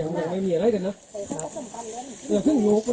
ให้เป็นตัวเมียครับตัวเล็กเป็นตัวผู้